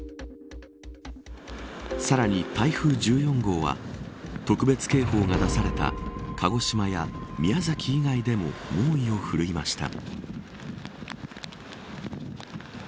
さらに、台風１４号は特別警報が出された鹿児島や宮崎以外でも猛威を振るいました。